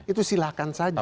itu silahkan saja